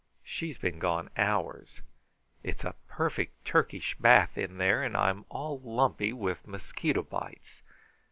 She's been gone hours. It's a perfect Turkish bath in there, and I'm all lumpy with mosquito bites.